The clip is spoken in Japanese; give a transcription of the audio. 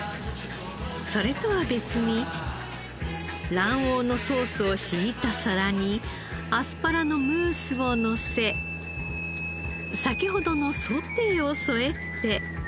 それとは別に卵黄のソースを敷いた皿にアスパラのムースをのせ先ほどのソテーを添えて。